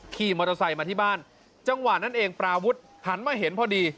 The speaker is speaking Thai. ขี่มอเตอร์ไซค์มาที่บ้านจังหวะนั้นเองปราวุฒิหันมาเห็นพอดี